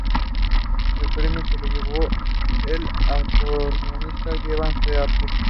El premio se lo llevó el acordeonista Joseba Tapia.